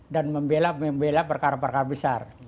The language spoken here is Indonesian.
dan membela perkara perkara besar